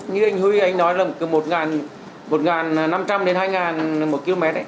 như anh huy nói là một năm trăm linh đến hai một km